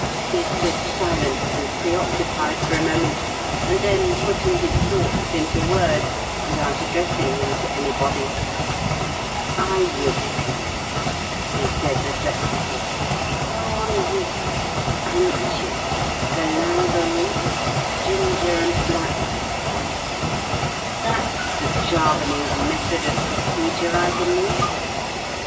He stood silent and preoccupied for a moment, and then, putting his thoughts into words, without addressing them to anybody: "Ayupee!" he said reflectively; "Pohon Upas, Antjar, Galanga root, Ginger and Black Pepper that's the Javanese method of procedure, I believe.